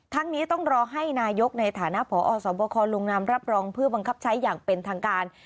นี้ต้องรอให้นายกในฐานะพอสบคลงนามรับรองเพื่อบังคับใช้อย่างเป็นทางการ